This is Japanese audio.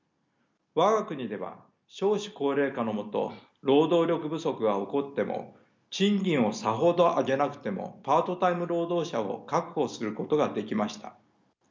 我が国では少子高齢化のもと労働力不足が起こっても賃金をさほど上げなくてもパートタイム労働者を確保することができました。